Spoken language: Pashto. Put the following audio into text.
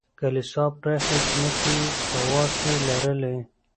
کلیسا پراخې ځمکې یې په واک کې لرلې.